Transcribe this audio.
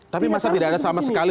tapi masa tidak ada sama sekali